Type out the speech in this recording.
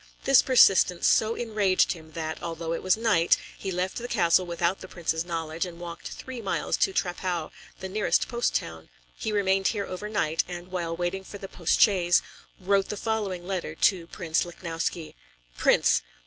This persistence so enraged him that, although it was night, he left the castle without the Prince's knowledge, and walked three miles to Trappau, the nearest post town. He remained here overnight, and, while waiting for the post chaise, wrote the following letter to Prince Lichnowsky: "Prince!